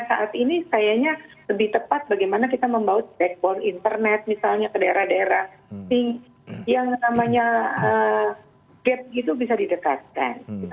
saat ini sayangnya lebih tepat bagaimana kita membawa backbone internet misalnya ke daerah daerah yang namanya gap itu bisa didekatkan